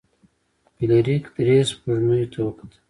فلیریک درې سپوږمیو ته وکتل.